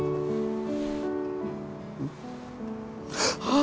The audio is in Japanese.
あ！